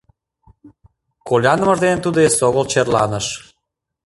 Колянымыж дене тудо эсогыл черланыш.